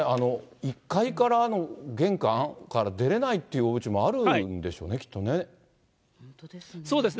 １階から玄関から出れないというおうちもあるんでしょうね、そうですね。